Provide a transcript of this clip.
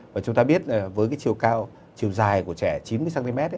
và chúng ta biết với cái chiều cao chiều dài của trẻ chín mươi cm